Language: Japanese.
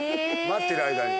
待ってる間に。